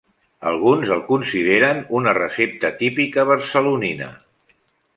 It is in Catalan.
Alguns el consideren una recepta típica barcelonina.